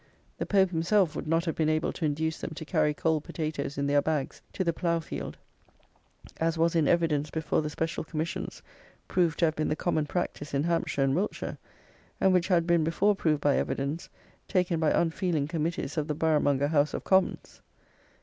The Pope himself would not have been able to induce them to carry "cold potatoes in their bags" to the plough field, as was, in evidence before the special commissions, proved to have been the common practice in Hampshire and Wiltshire, and which had been before proved by evidence taken by unfeeling committees of the boroughmonger House of Commons.